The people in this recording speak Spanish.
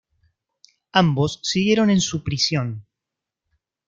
Ambos siguieron en su prisión.